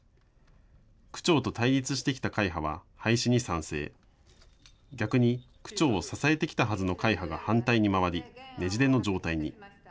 区長と対立してきた会派は廃止に賛成、逆に区長を支えてきたはずの会派が反対に回り、ねじれの状態に。